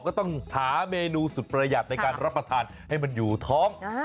ก็ต้องหาเมนูสุดประหยัดในการรับประทานให้มันอยู่ท้อง